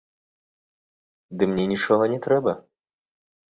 Ды мне нічога не трэба!